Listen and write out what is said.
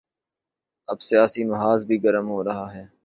اب سیاسی محاذ بھی گرم ہو رہا ہے۔